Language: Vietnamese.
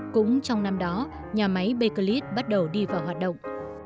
cũng trong năm đó nhà máy beclet bắt đầu đi vào hoạt động